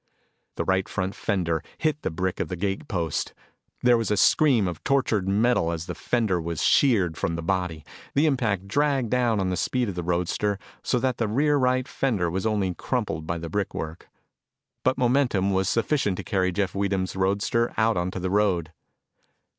The right front fender hit the brick of the gate post. There was a scream of tortured metal as the fender was sheared from the body. The impact dragged down on the speed of the roadster so that the rear right fender was only crumpled by the brick work. But momentum was sufficient to carry Jeff Weedham's roadster out onto the road.